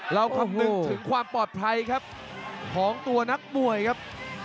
คำนึงถึงความปลอดภัยครับของตัวนักมวยครับ